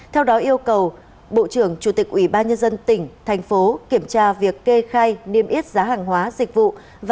theo đó yêu cầu bộ trưởng chủ tịch ủy ban nhân dân tỉnh thành phố kiểm tra việc kê khai niêm yết giá hàng hóa dịch vụ